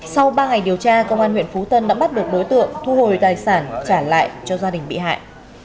sau ba ngày điều tra công an huyện phú tân đã bắt được đối tượng thu hồi tài sản trả lại cho gia đình bị hại